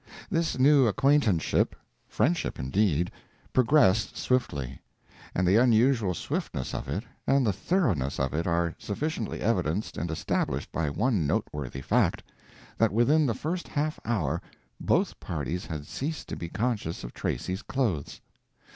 This new acquaintanceship—friendship, indeed—progressed swiftly; and the unusual swiftness of it, and the thoroughness of it are sufficiently evidenced and established by one noteworthy fact—that within the first half hour both parties had ceased to be conscious of Tracy's clothes.